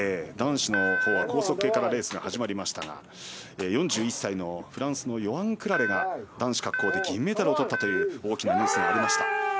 男子は高速系からレースが始まりましたが４１歳のフランスのヨアン・クラレが男子滑降で銀メダルをとった大きなニュースがありました。